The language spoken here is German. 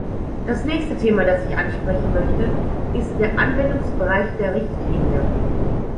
Das nächste Thema, das ich ansprechen möchte, ist der Anwendungsbereich der Richtlinie.